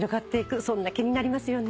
そんな気になりますよね。